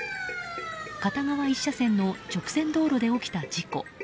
片側１車線の直線道路で起きた事故。